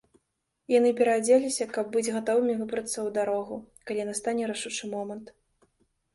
Яны пераадзеліся, каб быць гатовымі выбрацца ў дарогу, калі настане рашучы момант.